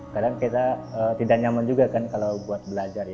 kadang kita tidak nyaman juga kan kalau buat belajar